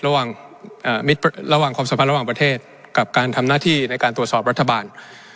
ระหว่างความสัมพันธ์ระหว่างประเทศกับการทำหน้าที่ในการตรวจสอบรัฐบาล